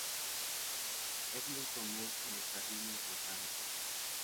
Es muy común en los jardines botánicos.